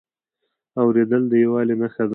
اورېدل د یووالي نښه ده.